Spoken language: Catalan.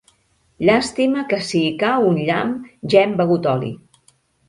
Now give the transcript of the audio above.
Llàstima que si hi cau un llamp, ja hem begut oli!